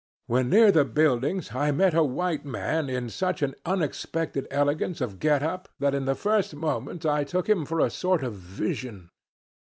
When near the buildings I met a white man, in such an unexpected elegance of get up that in the first moment I took him for a sort of vision.